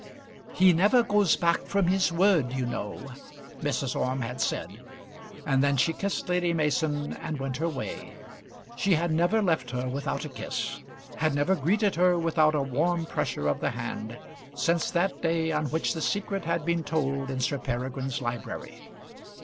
"He never goes back from his word, you know," Mrs. Orme had said; and then she kissed Lady Mason, and went her way. She had never left her without a kiss, had never greeted her without a warm pressure of the hand, since that day on which the secret had been told in Sir Peregrine's library.